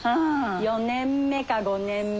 ４年目か５年目。